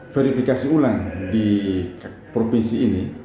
verifikasi ulang di provinsi ini